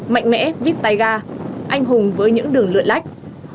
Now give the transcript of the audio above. mạnh mẽ vít tay ga anh hùng với những đường lượn lách